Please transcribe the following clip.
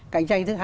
cạnh tranh thứ hai